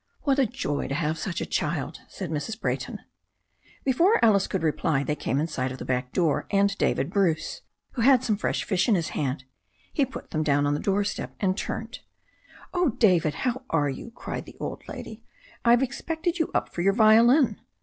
"What a joy to have such a child," said Mrs. Brajrton. Before Alice could reply they came in sight of the back door and David Bruce, who had some fresh fish in his hand. He put them down on the doorstep, and turned. "Oh, David, how are you?" cried the old lady. "I've expected you up for your violin."